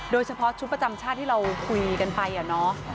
โดยเฉพาะชุดประจำชาติที่เราคุยกันไปอะเนาะ